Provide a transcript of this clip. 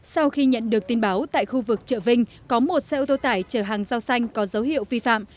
sau khi nhận được tin báo tại khu vực chợ vinh có một xe ô tô tải chở hàng giao xanh có dấu hiệu vi phạm